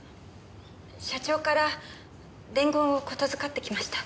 社長から伝言を言付かってきました。